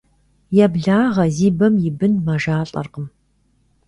Еблагъэ зи бэм и бын мэжалӀэркъым.